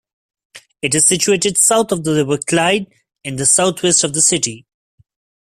It is situated south of the River Clyde, in the south-west of the city.